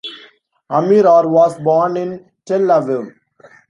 Amir Or was born in Tel Aviv.